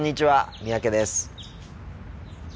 三宅です。